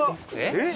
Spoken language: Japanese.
えっ！